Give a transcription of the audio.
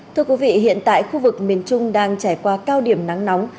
thưa quý vị hiện tại khu vực miền trung đang trải qua cao điểm nắng nóng